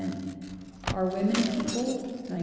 Are Women People? 1915.